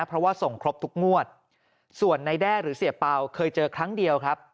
เพราะว่าส่งครบทุกงวดส่วนในแด้หรือเสียเปล่าเคยเจอครั้งเดียวครับ